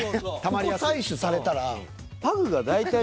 ここ採取されたら。